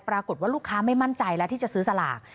ปรากฏว่าลูกค้าไม่มั่นใจแล้วที่จะซื้อสลาก